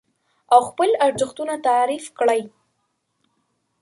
او خپل ارزښتونه تعريف کړئ.